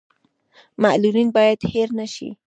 معلولین باید هیر نشي